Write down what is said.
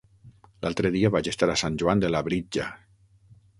L'altre dia vaig estar a Sant Joan de Labritja.